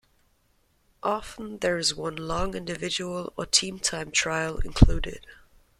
Often there is one long individual or team time trial included.